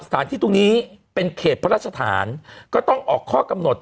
สถานที่ตรงนี้เป็นเขตพระราชฐานก็ต้องออกข้อกำหนด